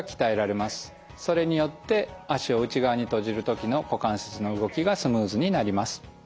それによって脚を内側に閉じる時の股関節の動きがスムーズになります。